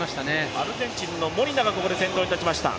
アルゼンチンのモリナが先頭に立ちました。